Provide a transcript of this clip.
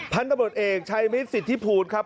พันธบทเอกชายมิตรสิทธิภูลครับ